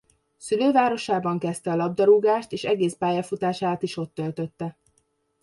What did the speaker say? Szülővárosában kezdte a labdarúgást és egész pályafutását is ott töltötte.